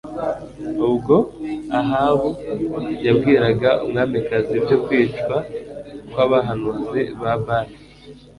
Ubwo Ahabu yabwiraga umwamikazi ibyo kwicwa kwabahanuzi ba Bali